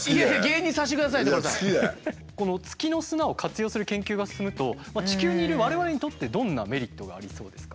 月の砂を活用する研究が進むと地球にいる我々にとってどんなメリットがありそうですか？